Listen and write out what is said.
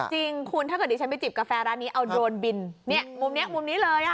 จริงคุณถ้าเกิดดิฉันไปจิบกาแฟร้านนี้เอาโดรนบินมุมนี้มุมนี้เลย